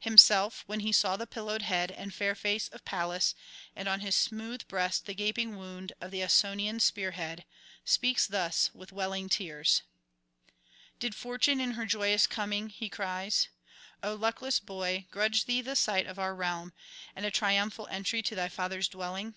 Himself, when he saw the pillowed head and fair face of Pallas, and on his smooth breast the gaping wound of the Ausonian spear head, speaks thus with welling tears: 'Did Fortune in her joyous coming,' he cries, 'O luckless boy, grudge thee the sight of our realm, and a triumphal entry to thy father's dwelling?